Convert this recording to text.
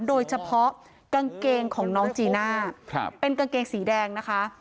โดยเฉพาะกางเกงของน้องจีน่าเป็นกางเกงสีแดงนะคะ